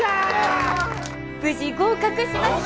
無事合格しました！